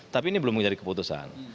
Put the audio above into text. tapi ini belum menjadi keputusan